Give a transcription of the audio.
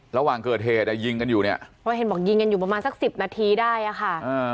ระหว่างเกิดเหตุอ่ะยิงกันอยู่เนี่ยเพราะเห็นบอกยิงกันอยู่ประมาณสักสิบนาทีได้อ่ะค่ะอ่า